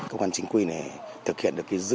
công an chính quy này thực hiện được dữ liệu dân cư